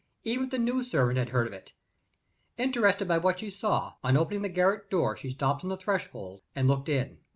Even the new servant had heard of it. Interested by what she saw, on opening the garret door, she stopped on the threshold and looked in.